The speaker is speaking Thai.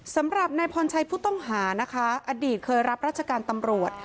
สำหรับนายพรชัยผู้ต้องหานะคะอดีตเคยรับราชการตำรวจ